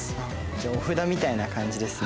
じゃあお札みたいな感じですね。